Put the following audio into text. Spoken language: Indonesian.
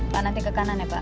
pak nanti ke kanan ya pak